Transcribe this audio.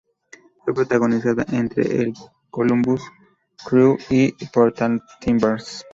Fue protagonizada entre el Columbus Crew y los Portland Timbers.